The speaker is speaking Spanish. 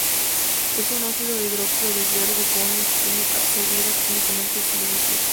Es un óxido e hidróxido de hierro que comúnmente tiene absorbida químicamente sílice.